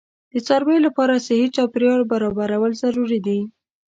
د څارویو لپاره صحي چاپیریال برابرول ضروري دي.